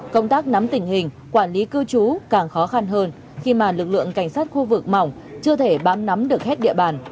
công tác nắm tình hình quản lý cư trú càng khó khăn hơn khi mà lực lượng cảnh sát khu vực mỏng chưa thể bám nắm được hết địa bàn